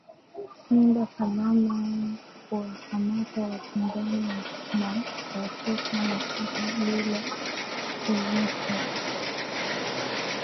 Nyumba salama kuwakamata wapinzani na kuwatesa mateka bila ushirika wa serekali